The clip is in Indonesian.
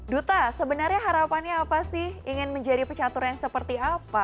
duta sebenarnya harapannya apa sih ingin menjadi pecatur yang seperti apa